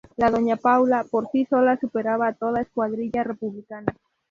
La "Doña Paula" por sí sola superaba a toda la escuadrilla republicana.